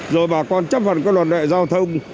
rồi bà con chấp phần cái luật đệ giao thông